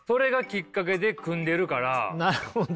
なるほど。